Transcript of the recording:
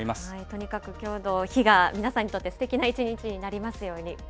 とにかく、きょうの日が皆さんにとってすてきな一日になりますように。